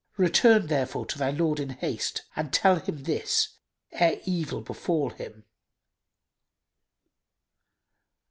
Return, therefore, to thy lord in haste and tell him this, ere evil befal him."